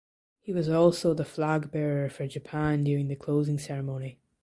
He was also the flag bearer for Japan during the closing ceremony.